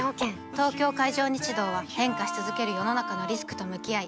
東京海上日動は変化し続ける世の中のリスクと向き合い